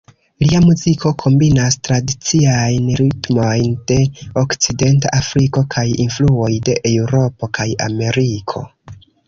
Lia muziko kombinas tradiciajn ritmojn de Okcidenta Afriko kaj influoj de Eŭropo kaj Ameriko.